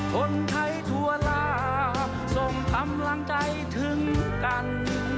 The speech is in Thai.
คนไทยทั่วลาส่งกำลังใจถึงกัน